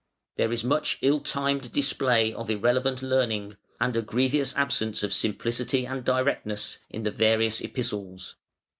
There is much ill timed display of irrelevant learning, and a grievous absence of simplicity and directness, in the "Various Epistles".